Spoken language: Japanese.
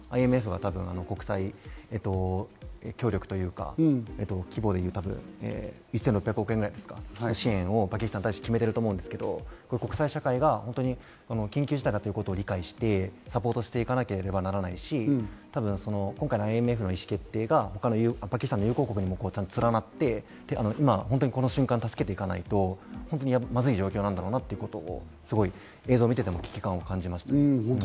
ＩＭＦが国際協力というか、１６００億円ぐらいの支援をパキスタンに対して決めていると思うんですけど、国際社会が緊急事態だということを理解してサポートしていかなければならないし、今回のＩＭＦの意思決定がパキスタンの友好国とも連なって、今この瞬間、助けていかないとまずい状況なんだろうなということを映像を見ていても危機感を感じました。